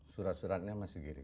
surat suratnya mas giri